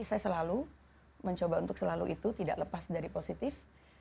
saya selalu mencoba untuk selalu itu tidak lepas dari positif